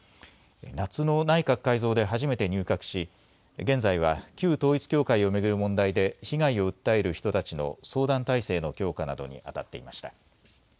夏の内閣改造で初めて入閣し、現在は旧統一教会を巡る問題で、被害を訴える人たちの相談体制の強化などに当たっていました。